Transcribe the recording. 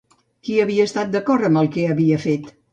Qui havia estat d'acord amb el que havia fet?